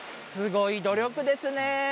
すごい努力ですね。